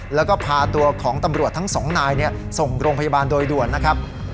แล้วก็พาตัวของตำรวจทั้งสองนายส่งโรงพยาบาลโดยด่วนนะครับ